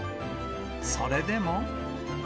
それでも。